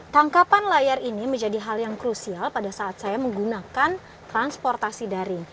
tangkapan layar ini menjadi hal yang krusial pada saat saya menggunakan transportasi daring